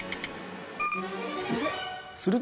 すると。